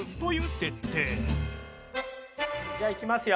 じゃあいきますよ。